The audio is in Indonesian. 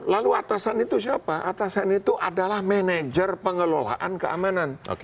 lalu atasan itu siapa atasan itu adalah manajer pengelolaan keamanan